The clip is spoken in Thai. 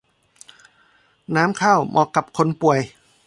น้ำข้าว เหมาะกับคนป่วย